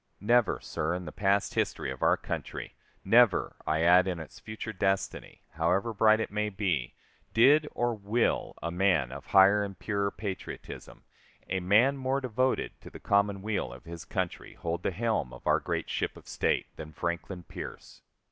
Never, sir, in the past history of our country, never, I add, in its future destiny, however bright it may be, did or will a man of higher and purer patriotism, a man more devoted to the common weal of his country, hold the helm of our great ship of state, than Franklin Pierce.